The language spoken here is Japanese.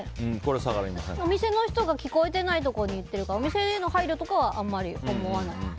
お店の人が聞こえてないところに行ってるからお店への配慮とかはあんまり思わない。